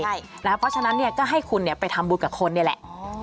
เพราะฉะนั้นก็ให้คุณไปทำบุญกับคนนี่แหละ